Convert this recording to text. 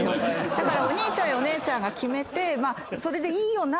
だからお兄ちゃんお姉ちゃんが決めてそれでいいよな？